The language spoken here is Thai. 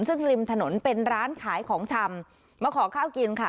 ซึ่งริมถนนเป็นร้านขายของชำมาขอข้าวกินค่ะ